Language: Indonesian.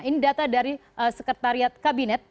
ini data dari sekretariat kabinet